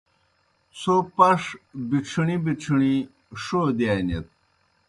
څھو پݜ بِڇھݨِی بِڇھݨِی ݜودِیانِت۔